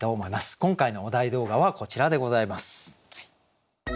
今回のお題動画はこちらでございます。